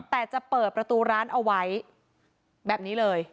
แต่จะเปิดประตูร้านเอาไว้แบบนี้เลย